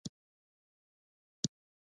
غوریان د غور یوه ډېره لرغونې کورنۍ ده.